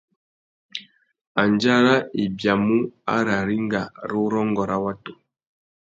Andjara i biamú ararringa râ urrôngô râ watu.